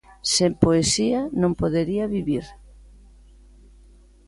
Sen poesía non podería vivir.